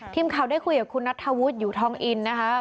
ทีมข่าวได้คุยกับคุณนัทธวุฒิอยู่ทองอินนะคะ